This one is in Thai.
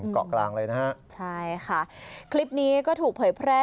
เกาะกลางเลยนะฮะใช่ค่ะคลิปนี้ก็ถูกเผยแพร่